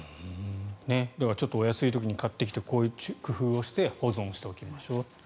だからちょっとお安い時に買ってきてこういう工夫をして保存しておきましょうと。